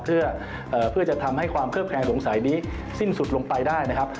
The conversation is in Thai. เพื่อจะทำให้ความเคลือบแคลงสงสัยนี้สิ้นสุดลงไปได้นะครับ